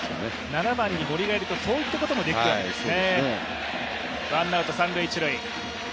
７番に森がいるとそういったこともできるんですね。